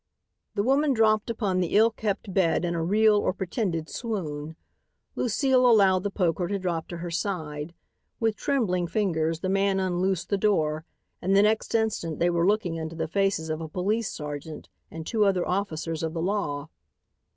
The woman dropped upon the ill kept bed in a real or pretended swoon. Lucile allowed the poker to drop to her side. With trembling fingers the man unloosed the door and the next instant they were looking into the faces of a police sergeant and two other officers of the law.